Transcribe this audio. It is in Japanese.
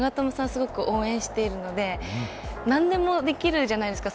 すごく応援しているので何でもできるじゃないですか。